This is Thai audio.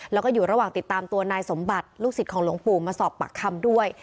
แล้วก็อยู่ระหว่างติดตามตัวนายสมบัติลูกศิษย์ของหลวงปู่มาสอบปากคำด้วย